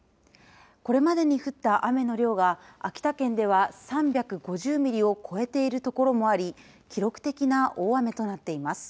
これまでに降った雨の量は秋田県では３５０ミリを超えている所もあり記録的な大雨となっています。